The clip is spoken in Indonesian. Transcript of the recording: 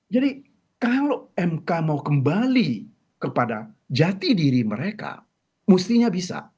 jadi kalau mk mau kembali kepada jati diri mereka mustinya bisa